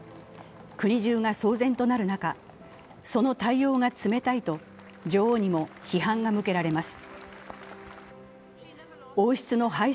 国じゅうが騒然となる中、その対応が冷たいと女王にも批判が向けられます。